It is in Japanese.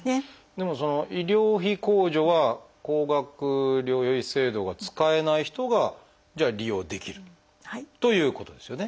でもその医療費控除は高額療養費制度が使えない人が利用できるということですよね？